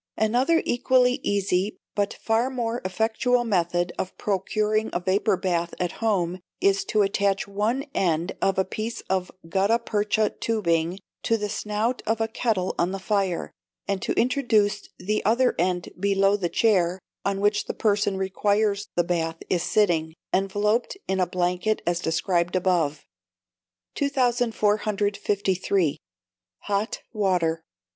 Another equally easy but far more effectual method of procuring a vapour bath at home is to attach one end of a piece of gutta percha tubing to the snout of a kettle on the fire, and to introduce the other end below the chair, on which the person who requires the bath is sitting, enveloped in a blanket as described above. 2453. Hot Water.